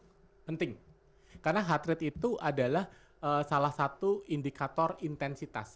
itu penting karena heart rate itu adalah salah satu indikator intensitas